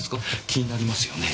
気になりますよね？